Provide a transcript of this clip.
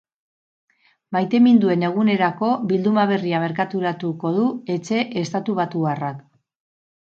Maiteminduen egunerako bilduma berria merkaturatuko du etxe estatubatuarrak.